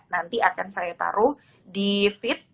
nanti akan saya taruh di feed